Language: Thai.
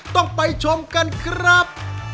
ต้องไปชมกันครับ